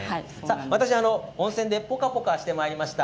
私、温泉でポカポカしてまいりました。